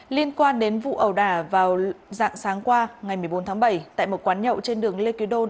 liên quan đến vụ ẩu đả vào dạng sáng qua ngày một mươi bốn tháng bảy tại một quán nhậu trên đường lê kỳ đôn